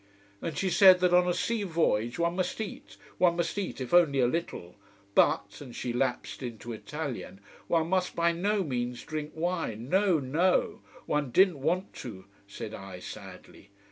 And she said that on a sea voyage one must eat, one must eat, if only a little. But and she lapsed into Italian one must by no means drink wine no no! One didn't want to, said I sadly.